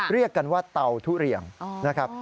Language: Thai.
เรียกกันว่าเตาทุเรียนนะครับ